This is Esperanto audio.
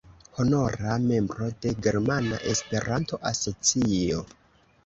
Honora membro de Germana Esperanto-Asocio.